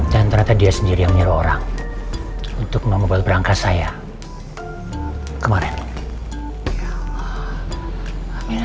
dan ternyata dia sendiri yang nyuruh orang untuk membuat perangkat saya kemarin